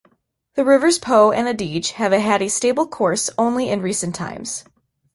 The rivers Po and Adige have had a stable course only in recent times.